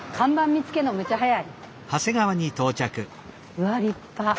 うわ立派。